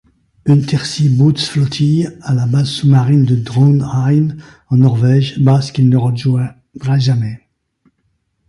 Unterseebootsflottille à la base sous-marine de Drontheim en Norvège, base qu'il ne rejoindra jamais.